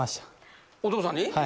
お父さんに？